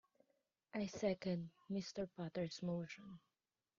I second Mr. Potter's motion.